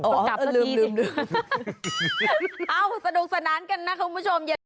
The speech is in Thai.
ก็กลับลืมเอ้าสนุกสนานกันนะคุณผู้ชม